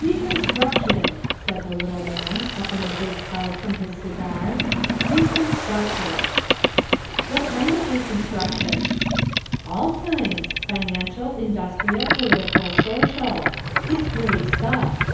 "Reconstruction," said the little man, puffing a big cloud from his cigar, "reconstruction." "What kind of reconstruction?" "All kinds financial, industrial, political, social. It's great stuff.